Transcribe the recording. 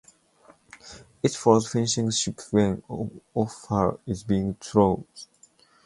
It follows fishing ships when offal is being thrown.